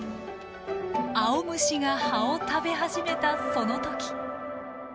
アオムシが葉を食べ始めたその時。